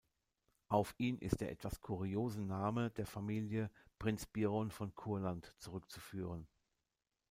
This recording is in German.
Auf ihn ist der etwas kuriose Name der Familie "Prinz" Biron von Curland zurückzuführen.